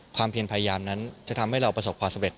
เพียงพยายามนั้นจะทำให้เราประสบความสำเร็